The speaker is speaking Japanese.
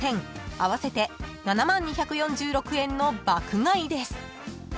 ［合わせて７万２４６円の爆買いです］